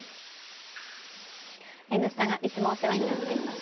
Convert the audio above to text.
「Ｎスタ」がいつもお世話になっています